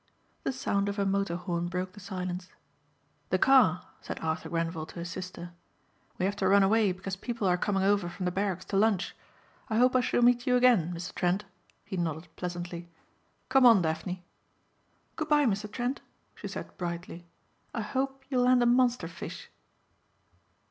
The sound of a motor horn broke the silence. "The car," said Arthur Grenvil to his sister. "We have to run away because people are coming over from the barracks to lunch. I hope I shall meet you again Mr. Trent." He nodded pleasantly. "Come on Daphne." "Goodbye, Mr. Trent," she said brightly. "I hope you'll land a monster fish."